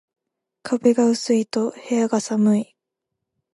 壁が薄いと部屋が寒い